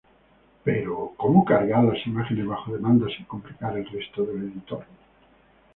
Pero, ¿cómo cargar las imágenes bajo demanda sin complicar el resto del editor?